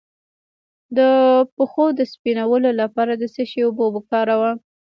د پښو د سپینولو لپاره د څه شي اوبه وکاروم؟